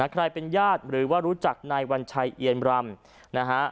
ใครเป็นญาติหรือว่ารู้จักในวันชายเยียนรำ